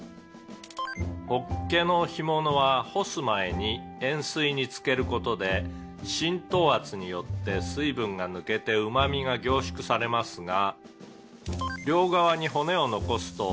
「ホッケの干物は干す前に塩水に漬ける事で浸透圧によって水分が抜けてうま味が凝縮されますが」